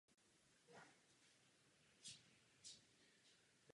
Svaz byl také provozovatelem Vesnického divadla ministerstva zemědělství.